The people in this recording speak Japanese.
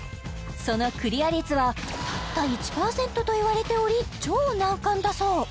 そのクリア率はたった１％といわれており超難関だそう